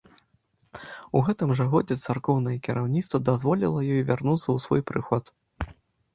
У гэтым жа годзе царкоўнае кіраўніцтва дазволіла ёй вярнуцца ў свой прыход.